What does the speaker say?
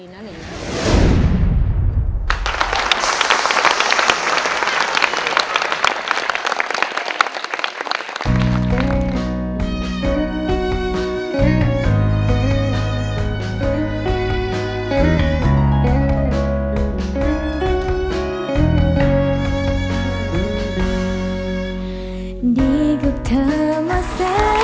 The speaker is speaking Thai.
หลมรส